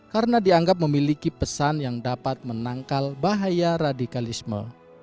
karena dianggap memiliki pesan yang dapat menangkal bahaya radikalisme